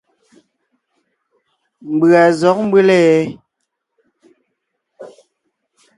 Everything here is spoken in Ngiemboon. Mbʉ̀a zɔ̌g mbʉ́le ?